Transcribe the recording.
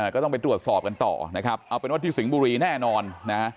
ก็ต้องไปตรวจสอบกันต่อเอาเป็นวัตถิสิงบุรีแน่นอน